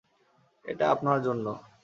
এটা আপনার জন্য।